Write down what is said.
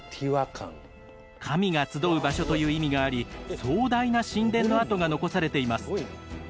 神が集う場所という意味があり壮大な神殿の跡が残されています。